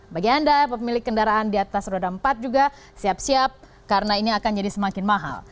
bagi anda pemilik kendaraan di atas roda empat juga siap siap karena ini akan jadi semakin mahal